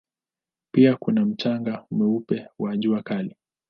Pia kuna mchanga mweupe na jua kali.